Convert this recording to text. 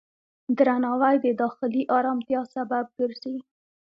درناوی د داخلي آرامتیا سبب ګرځي.